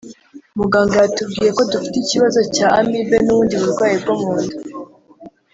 Muganga yatubwiye ko dufite ikibazo cya amibe n’ubundi burwayi bwo mu nda